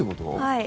はい。